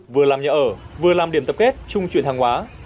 vừa làm nhà ở vừa làm điểm tập kết trung chuyển hàng hóa